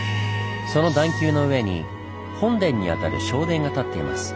その段丘の上に本殿に当たる正殿が建っています。